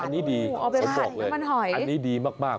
อันนี้ดีผมบอกเลยอันนี้ดีมาก